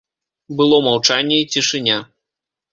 Было маўчанне і цішыня.